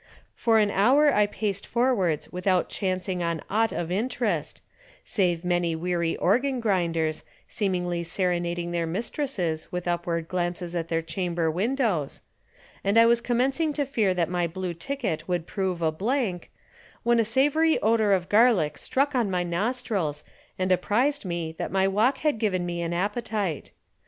For an hour I paced forwards without chancing on aught of interest, save many weary organ grinders, seemingly serenading their mistresses with upward glances at their chamber windows, and I was commencing to fear that my blue ticket would prove a blank, when a savory odor of garlic struck on my nostrils and apprised me that my walk had given me an appetite.